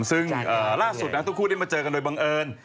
ซึ่งล่าสุดนะทุกคู่ได้มาเจอกันโดยบังเอิญ